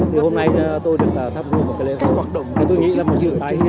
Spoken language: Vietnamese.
thì hôm nay tôi được tham dự một cái lễ hội